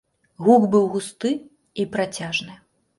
Гук быў густы і працяжны.